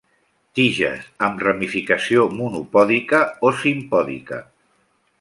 Tiges amb ramificació monopòdica o simpòdica.